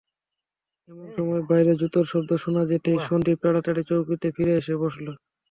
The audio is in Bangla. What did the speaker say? এমন সময় বাইরে জুতোর শব্দ শোনা যেতেই সন্দীপ তাড়াতাড়ি চৌকিতে ফিরে এসে বসল।